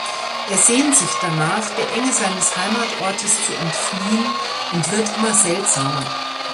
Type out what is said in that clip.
Er sehnt sich danach, der Enge seines Heimatortes zu entfliehen und wird immer seltsamer.